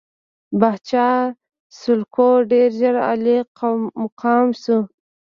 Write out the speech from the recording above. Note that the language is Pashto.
پاچا سلوکو ډېر ژر عالي مقام شو.